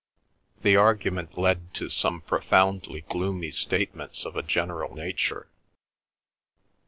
The argument led to some profoundly gloomy statements of a general nature.